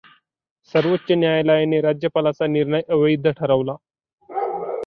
सर्वोच्च न्यायालयाने राज्यपालांचा निर्णय अवैध ठरवला.